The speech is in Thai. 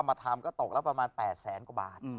มาทำก็ตกแล้วประมาณ๘แสนกว่าบาท